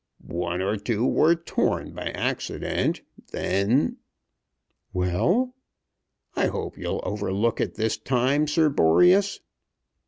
"One or two were torn by accident. Then " "Well!" "I hope you'll look it over this time, Sir Boreas."